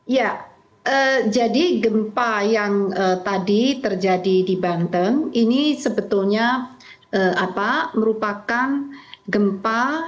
ya jadi gempa yang tadi terjadi di banten ini sebetulnya merupakan gempa